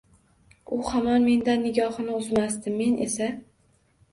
U hamon mendan nigohini uzmasdi: men esa